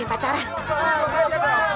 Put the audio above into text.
mbak artis ya